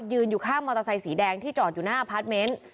อยู่ข้างมอเตอร์ไซค์สีแดงที่จอดอยู่หน้าพาร์ทเมนต์